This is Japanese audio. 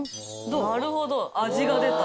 なるほど味が出た。